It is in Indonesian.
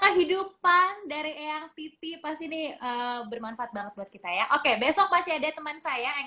kehidupan dari yang tv pas ini bermanfaat banget buat kita ya oke besok pasti ada teman saya yang